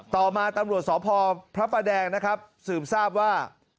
ต่อมาตำรวจสอพพระประแดงสื่อมทราบว่า